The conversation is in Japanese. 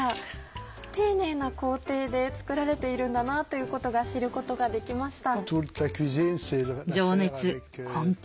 丁寧な工程で作られているんだなということが知ることができました。